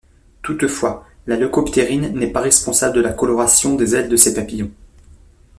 Toutefois, la leucoptérine n'est pas responsable de la coloration des ailes de ces papillons.